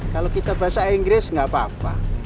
kalau kita bahasa inggris nggak apa apa